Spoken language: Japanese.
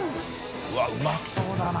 うわうまそうだな